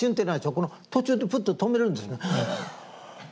この途中でプッと止めるんですね。